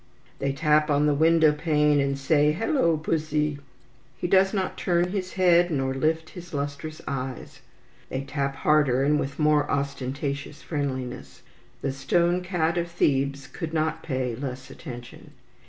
They tap on the window pane, and say, "Halloo, Pussy!" He does not turn his head, nor lift his lustrous eyes. They tap harder, and with more ostentatious friendliness. The stone cat of Thebes could not pay less attention.